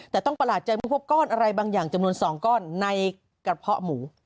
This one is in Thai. แต่ต้องประหลาดใจเมื่อพบก้อนอะไรบางอย่างจำนวน๒ก้อนในกระเพาะหมู